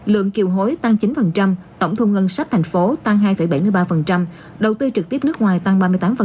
lượng kiều hối tăng chín tổng thu ngân sách thành phố tăng hai bảy mươi ba đầu tư trực tiếp nước ngoài tăng ba mươi tám